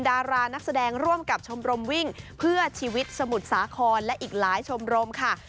ดารานักแสดงร่วมกับชมรมวิ่งเพื่อชีวิตสมุทรสาครและอีกหลายชมรมค่ะ